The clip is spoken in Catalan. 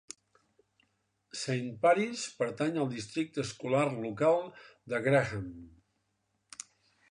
Saint Paris pertany al districte escolar local de Graham.